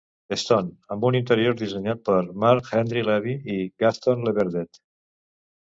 Stone, amb un interior dissenyat per Marc-Henri Levy i Gaston Laverdet.